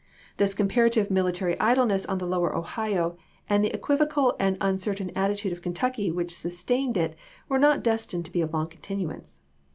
This comparative military idleness on the lower Ohio and the equivocal and uncertain atti tude of Kentucky which sustained it were not des tined to be of long continuance.